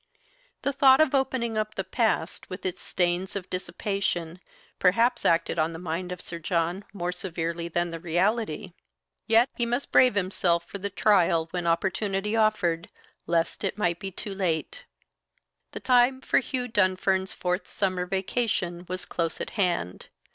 The thought of opening up the past, with its stains of dissipation, perhaps acted on the mind of Sir John more severely than the reality. Yet he must brave himself for the trial when opportunity offered, lest it might be too late. The time for Hugh Dunfern's fourth summer vacation was close at hand.